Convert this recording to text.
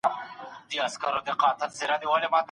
د ازاد انسان پلورونکی به هیڅکله ونه بخښل سي.